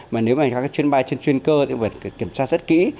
mà nếu như các chuyến bay trên chuyên cơ thì phải kiểm tra rất kỹ